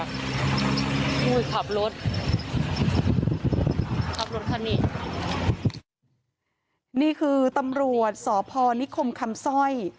ขับรถขับรถค่ะนี่คือตำรวจศพนิคมคำซ่อย